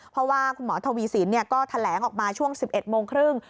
เพราะว่าคุณหมอทวีสินก็แถลงออกมาช่วง๑๑โมงครึ่ง